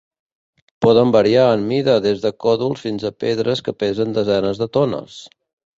Poden variar en mida des de còdols fins a pedres que pesen desenes de tones.